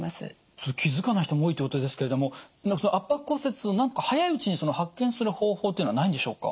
それ気付かない人も多いということですけれども圧迫骨折をなんとか早いうちに発見する方法っていうのはないんでしょうか？